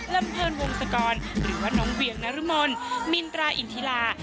ลำเพลินวงศกรหรือว่าน้องเวียงนรมนมินตราอินทิลา